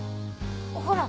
ほら。